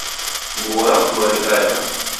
Nguw'o rafulwa rikaela.